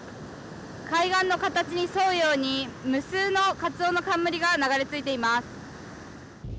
海岸の形に沿うように無数のカツオノカンムリが流れついています。